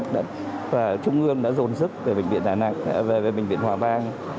và trung ương đã dồn sức về bệnh viện hoa vang